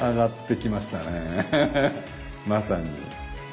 まさに。